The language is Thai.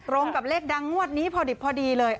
รวมกับเลขดังงวดนี้พอดีเลย